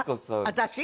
私？